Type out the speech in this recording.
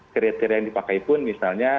kriteria yang dipakai pun misalnya